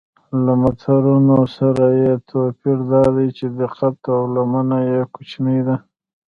له مترونو سره یې توپیر دا دی چې دقت او لمنه یې کوچنۍ ده.